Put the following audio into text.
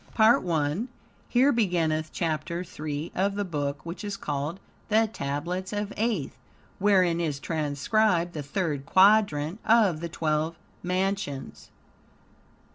PART I Here beginneth Chapter 3 of the Book which is called "The Tablets of Aeth," wherein is transcribed the Third Quadrant of the Twelve Mansions.